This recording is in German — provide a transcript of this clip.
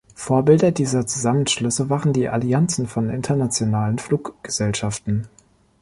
Vorbilder dieser Zusammenschlüsse waren die Allianzen von internationalen Fluggesellschaften.